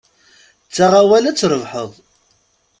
Ttaɣ awal, ad trebḥeḍ.